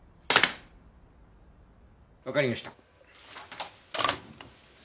わかりました。